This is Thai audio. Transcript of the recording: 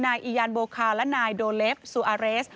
อียานโบคาและนายโดเลฟซูอาเรส